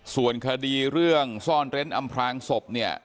ส่วนคดีเรื่องซ่อนเร้นอำพลางศพเนี่ย